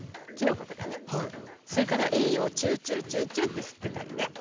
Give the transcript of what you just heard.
それから栄養をチューチューチューチューって吸ってたりね。